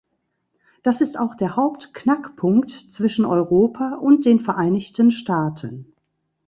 Das ist auch der Hauptknackpunkt zwischen Europa und den Vereinigten Staaten.